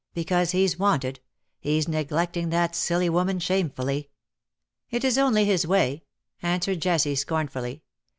" Because he's wanted. He's neglecting that siily woman shamefully." " It is only his way," answered Jessie, scorn fully.